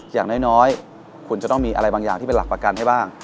อย่างน้อยคุณจะต้องมีอะไรบางอย่างที่เป็นหลักประกันให้บ้าง